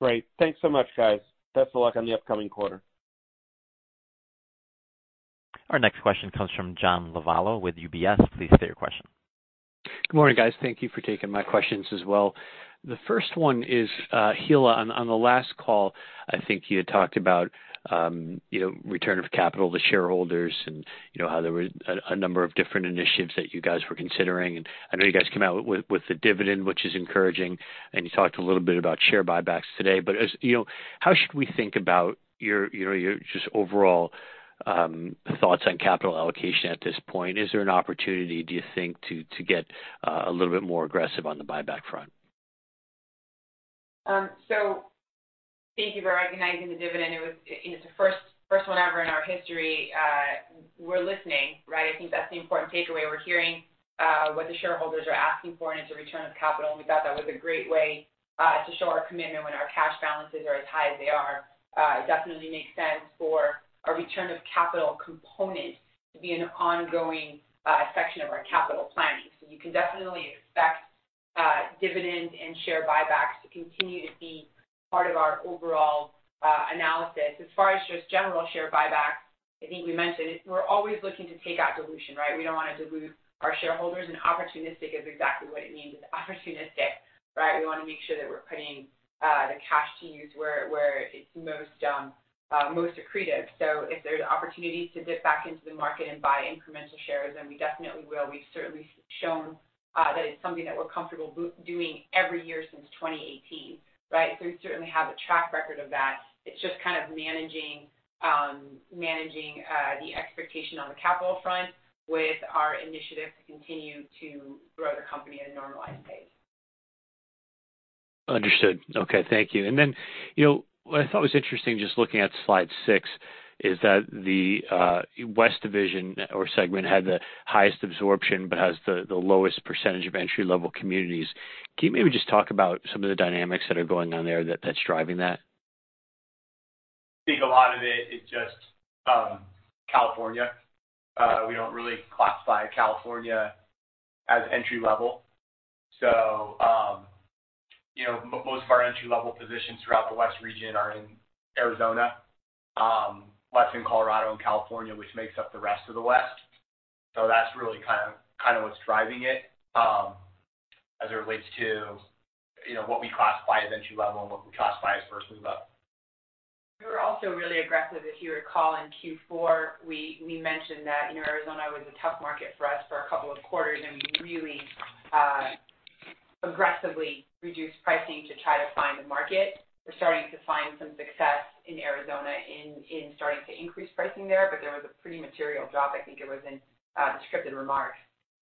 Great. Thanks so much, guys. Best of luck on the upcoming quarter. Our next question comes from John Lovallo with UBS. Please state your question. Good morning, guys. Thank you for taking my questions as well. The first one is, Hilla, on the last call, I think you had talked about, you know, return of capital to shareholders and, you know, how there were a number of different initiatives that you guys were considering. I know you guys came out with the dividend, which is encouraging, and you talked a little bit about share buybacks today. As you know, how should we think about your just overall thoughts on capital allocation at this point? Is there an opportunity, do you think, to get a little bit more aggressive on the buyback front? Thank you for recognizing the dividend. It was, you know, it's the first one ever in our history. We're listening, right? I think that's the important takeaway. We're hearing what the shareholders are asking for, and it's a return of capital, and we thought that was a great way to show our commitment when our cash balances are as high as they are. It definitely makes sense for a return of capital component to be an ongoing section of our capital planning. You can definitely expect dividends and share buybacks to continue to be part of our overall analysis. As far as just general share buybacks, I think we mentioned it. We're always looking to take out dilution, right? We don't want to dilute our shareholders, and opportunistic is exactly what it means. It's opportunistic, right? We wanna make sure that we're putting the cash to use where it's most accretive. If there's opportunities to dip back into the market and buy incremental shares, then we definitely will. We've certainly shown that it's something that we're comfortable doing every year since 2018, right? We certainly have a track record of that. It's just kind of managing the expectation on the capital front with our initiative to continue to grow the company at a normalized pace. Understood. Okay. Thank you. You know, what I thought was interesting just looking at slide six is that the West Division or segment had the highest absorption but has the lowest percentage of Entry-level communities. Can you maybe just talk about some of the dynamics that are going on there that's driving that? I think a lot of it is just California. We don't really classify California as entry-level. You know, most of our entry-level positions throughout the west region are in Arizona, western Colorado, and California, which makes up the rest of the west. That's really kind of what's driving it, as it relates to, you know, what we classify as entry-level and what we classify as First Move-Up. We were also really aggressive. If you recall, in Q4, we mentioned that, you know, Arizona was a tough market for us for a couple of quarters. We really aggressively reduced pricing to try to find the market. We're starting to find some success in Arizona in starting to increase pricing there. There was a pretty material drop. I think it was in the scripted remarks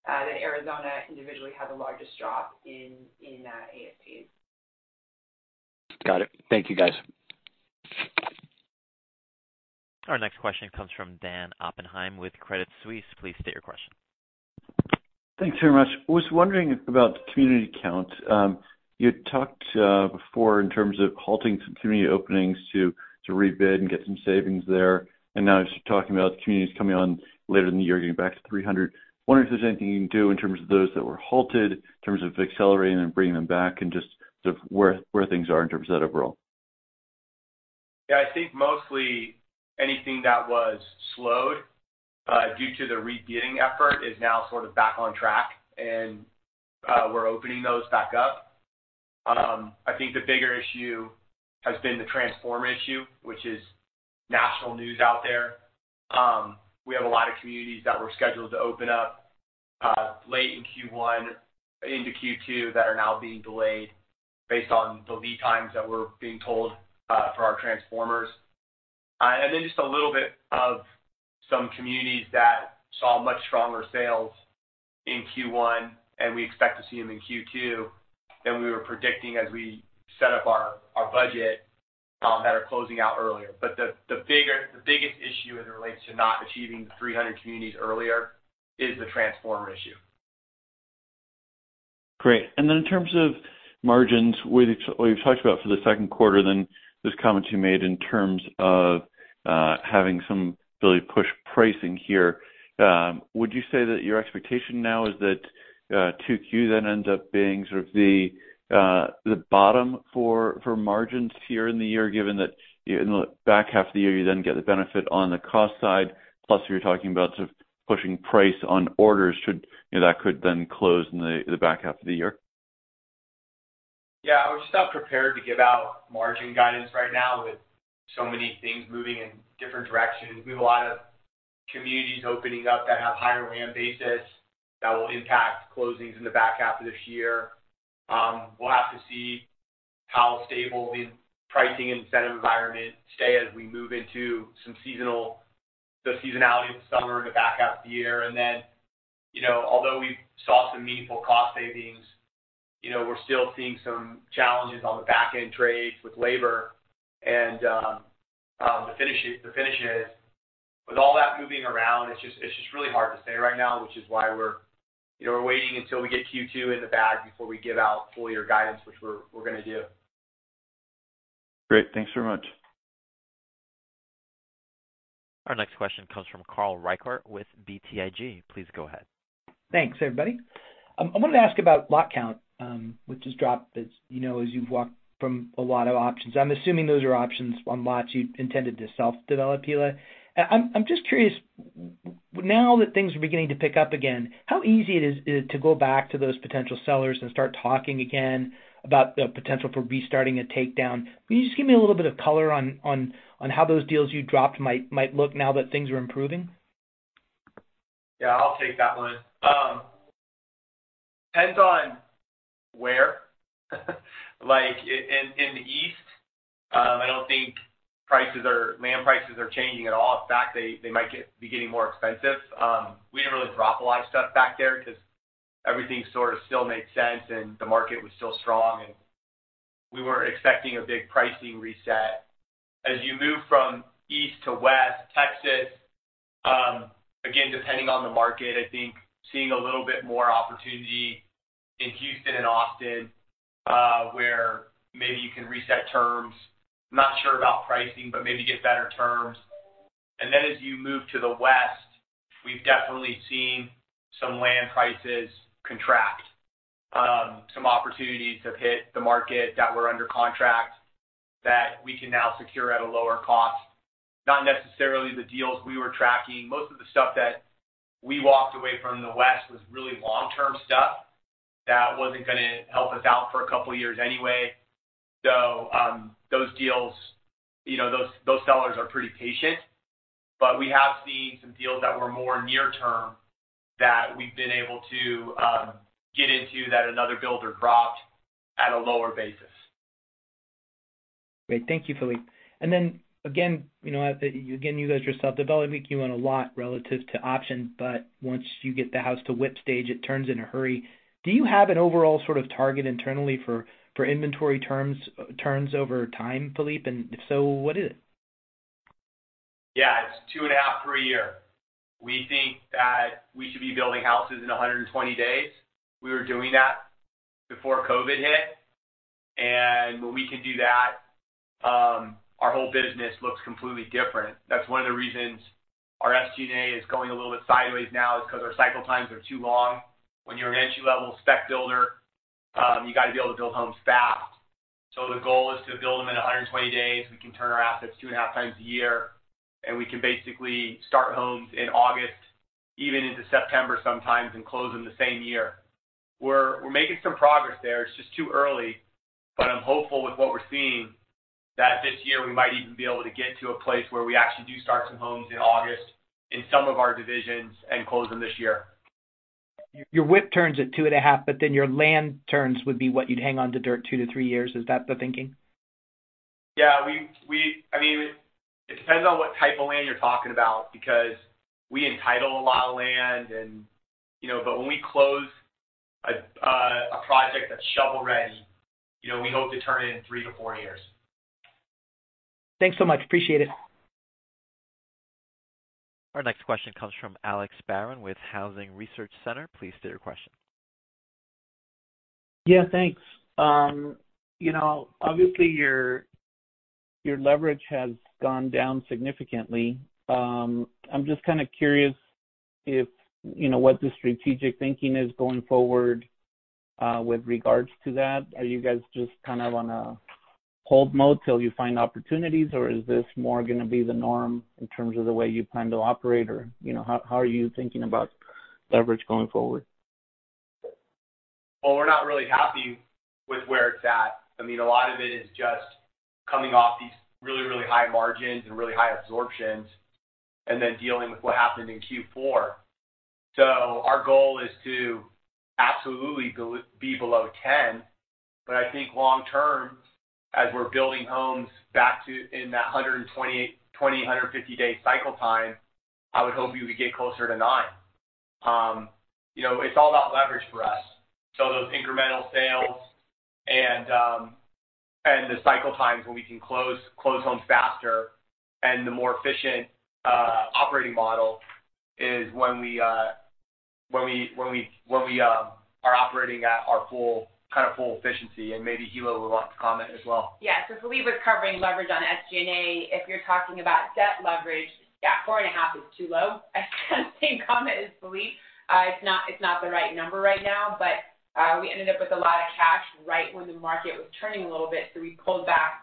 that Arizona individually had the largest drop in ASPs. Got it. Thank you, guys. Our next question comes from Dan Oppenheim with Credit Suisse. Please state your question. Thanks very much. Was wondering about the community count. You had talked before in terms of halting some community openings to rebid and get some savings there, and now you're talking about the communities coming on later in the year, getting back to 300. Wondering if there's anything you can do in terms of those that were halted in terms of accelerating and bringing them back and just sort of where things are in terms of that overall. Yeah, I think mostly anything that was slowed, due to the rebid effort is now sort of back on track. We're opening those back up. I think the bigger issue has been the transformer issue, which is national news out there. We have a lot of communities that were scheduled to open up, late in Q1 into Q2 that are now being delayed based on the lead times that we're being told, for our transformers. Just a little bit of some communities that saw much stronger sales in Q1, and we expect to see them in Q2 than we were predicting as we set up our budget, that are closing out earlier. The biggest issue as it relates to not achieving the 300 communities earlier is the transformer issue. Great. In terms of margins, what you, what you've talked about for the second quarter then those comments you made in terms of having some ability to push pricing here, would you say that your expectation now is that 2Q then ends up being sort of the bottom for margins here in the year, given that in the back half of the year you then get the benefit on the cost side, plus you're talking about sort of pushing price on orders? You know, that could then close in the back half of the year? Yeah. We're just not prepared to give out margin guidance right now with so many things moving in different directions. We have a lot of communities opening up that have higher land basis that will impact closings in the back half of this year. We'll have to see how stable the pricing and incentive environment stay as we move into the seasonality of the summer in the back half of the year. You know, although we saw some meaningful cost savings, you know, we're still seeing some challenges on the back-end trades with labor and the finishes. With all that moving around, it's just really hard to say right now, which is why we're, you know, we're waiting until we get Q2 in the bag before we give out full year guidance, which we're gonna do. Great. Thanks very much. Our next question comes from Carl Reichardt with BTIG. Please go ahead. Thanks, everybody. I wanted to ask about lot count, which has dropped, as you know, as you've walked from a lot of options. I'm assuming those are options on lots you intended to self-develop, Hilla. I'm just curious, now that things are beginning to pick up again, how easy is it to go back to those potential sellers and start talking again about the potential for restarting a takedown? Will you just give me a little bit of color on how those deals you dropped might look now that things are improving? Yeah, I'll take that one. Depends on where. Like in the East, I don't think land prices are changing at all. In fact, they might get, be getting more expensive. We didn't really drop a lot of stuff back there 'cause everything sort of still made sense, and the market was still strong, and we weren't expecting a big pricing reset. As you move from East to West, Texas, again, depending on the market, I think seeing a little bit more opportunity in Houston and Austin, where maybe you can reset terms. Not sure about pricing, but maybe get better terms. As you move to the West, we've definitely seen some land prices contract. Some opportunities have hit the market that were under contract that we can now secure at a lower cost. Not necessarily the deals we were tracking. Most of the stuff that we walked away from in the West was really long-term stuff that wasn't gonna help us out for a couple of years anyway. Those deals, you know, those sellers are pretty patient. We have seen some deals that were more near term that we've been able to get into that another builder dropped at a lower basis. Great. Thank you, Phillippe. Again, you know, again, you guys are self-developing. You own a lot relative to option, but once you get the house to WIP stage, it turns in a hurry. Do you have an overall sort of target internally for inventory turns over time, Phillippe? If so, what is it? It's 2.5 per year. We think that we should be building houses in 120 days. We were doing that before COVID hit, and when we can do that, our whole business looks completely different. That's one of the reasons our SG&A is going a little bit sideways now is 'cause our cycle times are too long. When you're an entry-level spec builder, you gotta be able to build homes fast. The goal is to build them in 120 days. We can turn our assets 2.5 times a year, and we can basically start homes in August, even into September sometimes, and close them the same year. We're making some progress there. It's just too early, but I'm hopeful with what we're seeing that this year we might even be able to get to a place where we actually do start some homes in August in some of our divisions and close them this year. Your WIP turns at 2.5, but then your land turns would be what you'd hang on to dirt 2-3 years. Is that the thinking? Yeah. We I mean, it depends on what type of land you're talking about because we entitle a lot of land and, you know. When we close, a project that's shovel-ready, you know, we hope to turn it in 3-4 years. Thanks so much. Appreciate it. Our next question comes from Alex Barron with Housing Research Center. Please state your question. Yeah, thanks. You know, obviously your leverage has gone down significantly. I'm just kinda curious if, you know, what the strategic thinking is going forward, with regards to that. Are you guys just kinda on a hold mode till you find opportunities, or is this more gonna be the norm in terms of the way you plan to operate? You know, how are you thinking about leverage going forward? We're not really happy with where it's at. I mean, a lot of it is just coming off these really, really high margins and really high absorptions and then dealing with what happened in Q4. Our goal is to absolutely be below 10. I think long term, as we're building homes back to in that 120-day, 150-day cycle time, I would hope we would get closer to nine. You know, it's all about leverage for us. Those incremental sales and the cycle times when we can close homes faster and the more efficient operating model is when we are operating at our full, kinda full efficiency. Maybe Hilla would like to comment as well. Yeah. Phillippe was covering leverage on SG&A. If you're talking about debt leverage, yeah, 4.5 is too low. Same comment as Phillippe. It's not, it's not the right number right now, but we ended up with a lot of cash right when the market was turning a little bit, so we pulled back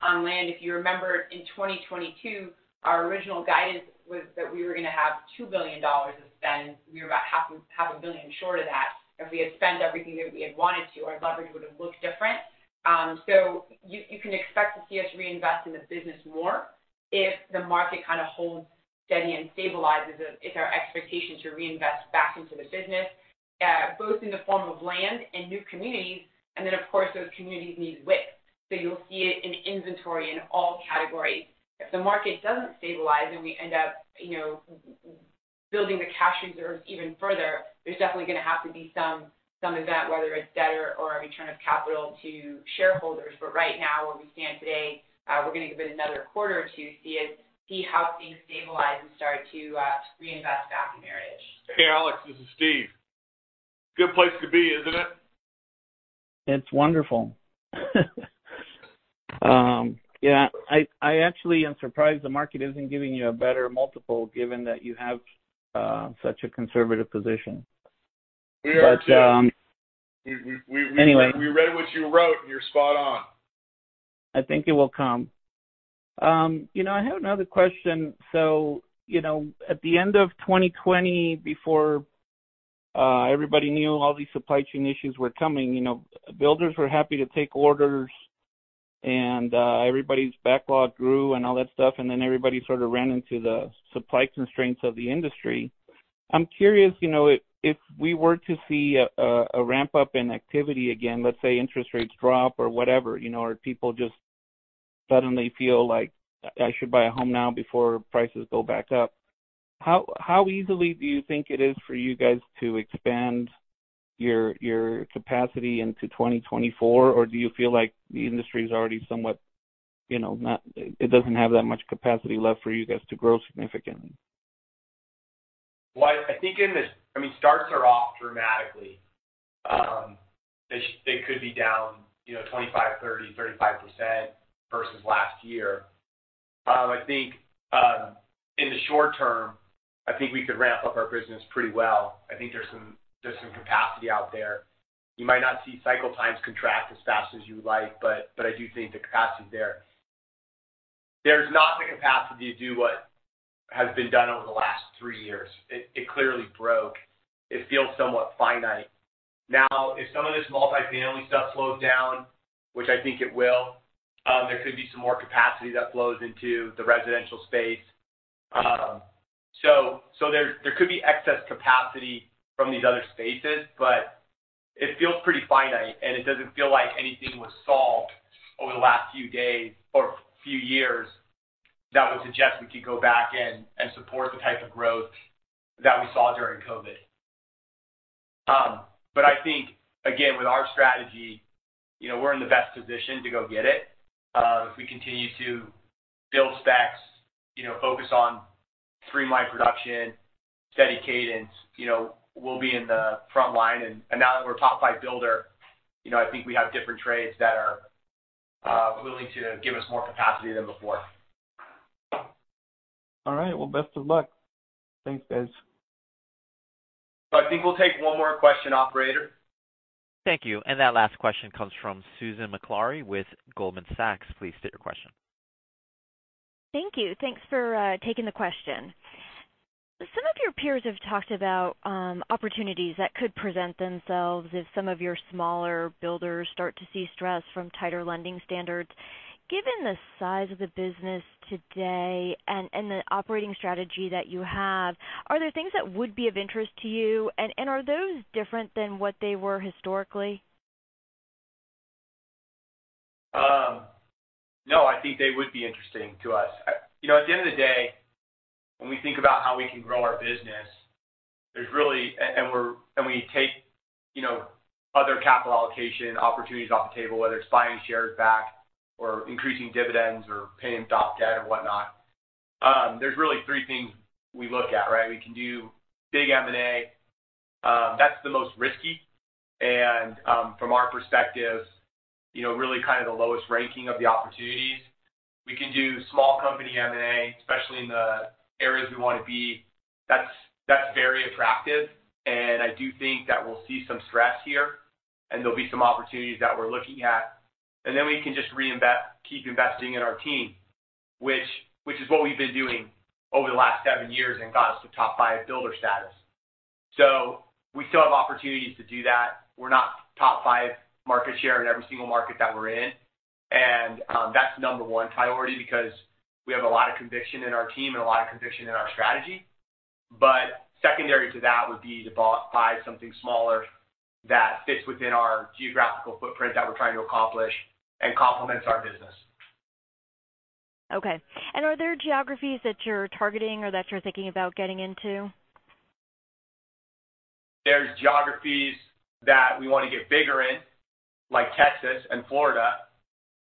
on land. If you remember in 2022, our original guidance was that we were gonna have $2 billion to spend. We were about half a billion short of that. If we had spent everything that we had wanted to, our leverage would have looked different. You can expect to see us reinvest in the business more. If the market kinda holds steady and stabilizes, it's our expectation to reinvest back into the business, both in the form of land and new communities, and then, of course, those communities need width. You'll see it in inventory in all categories. If the market doesn't stabilize and we end up, you know, building the cash reserves even further, there's definitely gonna have to be some event, whether it's debt or a return of capital to shareholders. Right now, where we stand today, we're gonna give it another quarter or two, see how things stabilize and start to, reinvest back in areas. Hey, Alex, this is Steve. Good place to be, isn't it? It's wonderful. Yeah, I actually am surprised the market isn't giving you a better multiple given that you have, such a conservative position. We are too. Anyway. We read what you wrote, and you're spot on. I think it will come. you know, I have another question. you know, at the end of 2020, before everybody knew all these supply chain issues were coming, you know, builders were happy to take orders and, everybody's backlog grew and all that stuff, then everybody sorta ran into the supply constraints of the industry. I'm curious, you know, if we were to see a ramp-up in activity again, let's say interest rates drop or whatever, you know, or people just suddenly feel like, I should buy a home now before prices go back up, how easily do you think it is for you guys to expand your capacity into 2024? Do you feel like the industry is already somewhat, you know, it doesn't have that much capacity left for you guys to grow significantly? Well, I mean, starts are off dramatically. They could be down, you know, 25%, 30%, 35% versus last year. I think, in the short term, I think we could ramp up our business pretty well. I think there's some capacity out there. You might not see cycle times contract as fast as you'd like, but I do think the capacity's there. There's not the capacity to do what has been done over the last three years. It, it clearly broke. It feels somewhat finite. Now, if some of this multifamily stuff slows down, which I think it will, there could be some more capacity that flows into the residential space. There could be excess capacity from these other spaces, but it feels pretty finite, and it doesn't feel like anything was solved over the last few days or few years that would suggest we could go back and support the type of growth that we saw during COVID. I think again, with our strategy, you know, we're in the best position to go get it. If we continue to build specs, you know, focus on three line production, steady cadence, you know, we'll be in the front line. Now that we're top five builder, you know, I think we have different trades that are willing to give us more capacity than before. All right. Well, best of luck. Thanks, guys. I think we'll take one more question, operator. Thank you. That last question comes from Susan Maklari with Goldman Sachs. Please state your question. Thank you. Thanks for taking the question. Some of your peers have talked about opportunities that could present themselves if some of your smaller builders start to see stress from tighter lending standards. Given the size of the business today and the operating strategy that you have, are there things that would be of interest to you, and are those different than what they were historically? No, I think they would be interesting to us. You know, at the end of the day, when we think about how we can grow our business, there's really. We take, you know, other capital allocation opportunities off the table, whether it's buying shares back or increasing dividends or paying off debt or whatnot, there's really three things we look at, right. We can do big M&A. That's the most risky. From our perspective, you know, really kind of the lowest ranking of the opportunities. We can do small company M&A, especially in the areas we wanna be. That's very attractive, and I do think that we'll see some stress here, and there'll be some opportunities that we're looking at. We can just keep investing in our team, which is what we've been doing over the last seven years and got us to top five builder status. We still have opportunities to do that. We're not top five market share in every single market that we're in. That's number one priority because we have a lot of conviction in our team and a lot of conviction in our strategy. Secondary to that would be to buy something smaller that fits within our geographical footprint that we're trying to accomplish and complements our business. Okay. Are there geographies that you're targeting or that you're thinking about getting into? There's geographies that we wanna get bigger in, like Texas and Florida.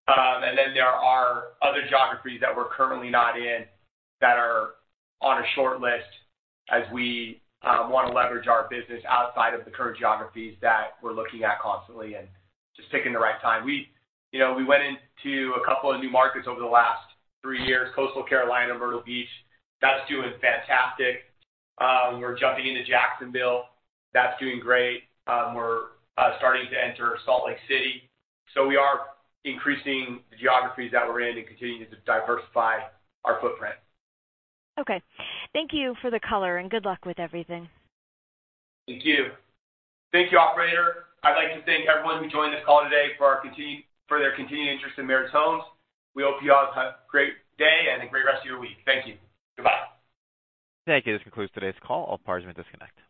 Then there are other geographies that we're currently not in that are on a short list as we wanna leverage our business outside of the current geographies that we're looking at constantly and just picking the right time. We, you know, we went into a couple of new markets over the last three years, Coastal Carolina, Myrtle Beach. That's doing fantastic. We're jumping into Jacksonville. That's doing great. We're starting to enter Salt Lake City. We are increasing the geographies that we're in and continuing to diversify our footprint. Okay. Thank you for the color, and good luck with everything. Thank you. Thank you, operator. I'd like to thank everyone who joined this call today for their continued interest in Meritage Homes. We hope you all have a great day and a great rest of your week. Thank you. Goodbye. Thank you. This concludes today's call. All parties may disconnect.